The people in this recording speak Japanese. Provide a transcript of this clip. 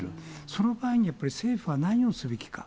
その場合にやっぱり政府は何をすべきか。